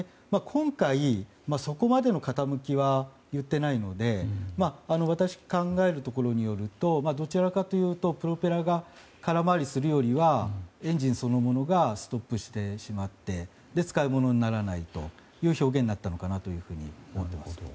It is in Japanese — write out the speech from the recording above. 今回、そこまでの傾きはいっていないので私が考えるところによるとどちらかというとプロペラが空回りするよりはエンジンそのものがストップしてしまって使い物にならないという表現になったのかなと思います。